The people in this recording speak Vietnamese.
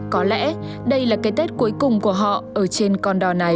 có lẽ đây là cái tết cuối cùng của họ ở trên con đò này